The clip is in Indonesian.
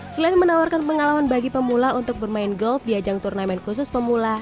selain menawarkan pengalaman bagi pemula untuk bermain golf di ajang turnamen khusus pemula